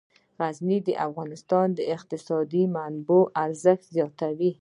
غزني د افغانستان د اقتصادي منابعو ارزښت زیاتوي.